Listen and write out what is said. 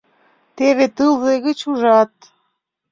Теве тылзе гыч ужат.